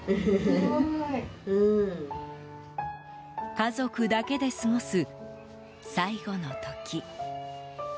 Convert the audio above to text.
家族だけで過ごす最後の時。